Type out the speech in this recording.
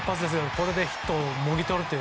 これでヒットをもぎ取るという。